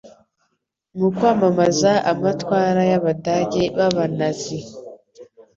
mu kwamamaza amatwara y'abadage b'aba-Nazi.